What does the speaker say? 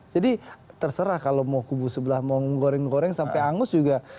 jadi terserah kalau mau kubu sebelah mau menggoreng goreng sampai angus juga